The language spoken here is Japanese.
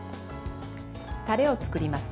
タレを作ります。